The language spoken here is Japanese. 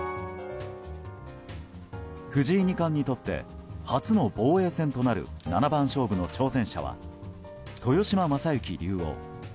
藤井二冠にとって初の防衛戦となる七番勝負の挑戦者は豊島将之竜王。